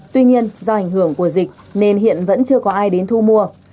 tuy nhiên do ảnh hưởng của dịch nên hiện vẫn chưa có ai đến thu mua